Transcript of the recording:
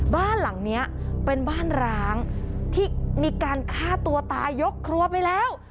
บ้านหลังนี้เป็นบ้านร้างที่มีการฆ่าตัวตายยกครัวไปแล้ว